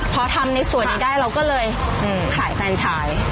พอทำในส่วนนี้ได้เราก็เลยขายแฟนชาย